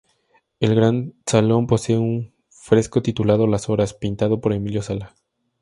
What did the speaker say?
El gran salón posee un fresco titulado "Las Horas", pintado por Emilio Sala.